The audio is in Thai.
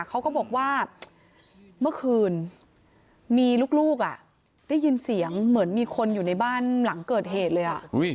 เขาก็บอกว่าเมื่อคืนมีลูกได้ยินเสียงเหมือนมีคนอยู่ในบ้านหลังเกิดเหตุเลย